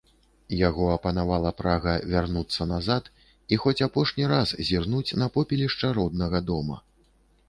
Яго апанавала прага вярнуцца назад і хоць апошні раз зірнуць на попелішча роднага дома.